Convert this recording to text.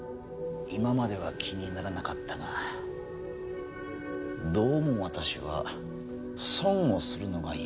今までは気にならなかったがどうも私は損をするのが許せない性格でね。